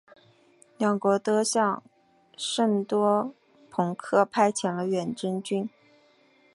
两国都向圣多明克派遣了远征军。